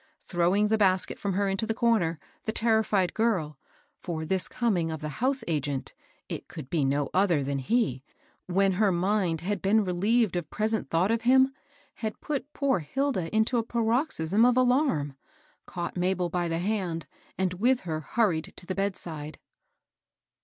Throwing the basket from her into the comer, the terrified girl — for this coming of the house agent (it could be no other than he) when her mind had been relieved of present thought of him, had put poor Hilda into 400 MABEL ROSS. a paroxysm of alann — caught Mabel by the hand, and with her hurried to the bedside.